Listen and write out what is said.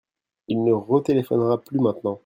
Il ne retéléphonera plus maintenant.